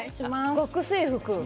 学生服！